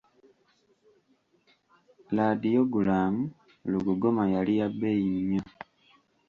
Ladiyogulamu lugogoma yali ya bbeeyi nnyo.